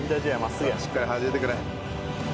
しっかりはじいてくれ。